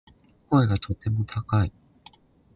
弥生時代は水耕栽培で行う稲作が日本全国に広まりました。